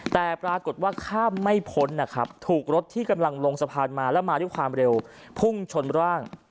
แต่ปรากฏว่าข้ามไม่พ้นนะครับถูกรถที่กำลังลงสะพานมาแล้วมาด้วยความเร็วพุ่งชนร่าง